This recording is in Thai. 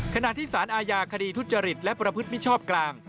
ขณะที่สารอาญาคดีทุจริตและประพฤติมิชชอบกลาง